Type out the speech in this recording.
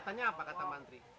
katanya apa kata mantri